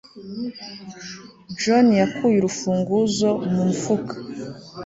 john yakuye urufunguzo mu mufuka